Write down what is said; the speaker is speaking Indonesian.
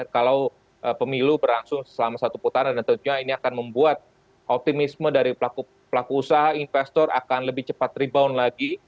kalau pemilu berlangsung selama satu putaran dan tentunya ini akan membuat optimisme dari pelaku usaha investor akan lebih cepat rebound lagi